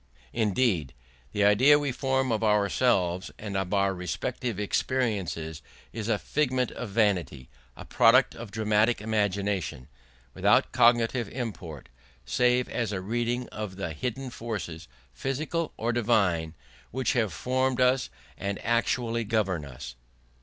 Indeed, the idea we form of ourselves and of our respective experiences is a figment of vanity, a product of dramatic imagination, without cognitive import save as a reading of the hidden forces, physical or divine, which have formed us and actually govern us.